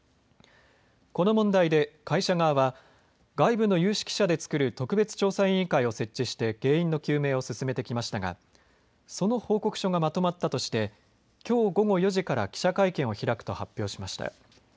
この問題で会社側は外部の有識者で作る特別調査委員会を設置して原因の究明を進めてきましたがその報告書がまとまったとして、きょう午後４時から記者会見を開くと発表しました。